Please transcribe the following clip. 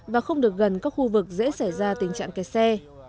và không được gần các khu vực dễ xảy ra tình trạng kẹt xe